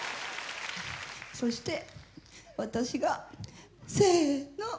そして私がせの！